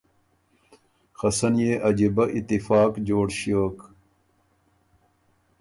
خه سن يې عجیبۀ اتفاق جوړ ݭیوک۔